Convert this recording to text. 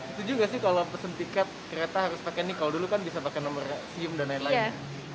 setuju nggak sih kalau pesen tiket kereta harus pakai nikel dulu kan bisa pakai nomor sium dan lain lain